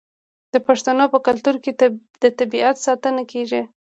د پښتنو په کلتور کې د طبیعت ساتنه کیږي.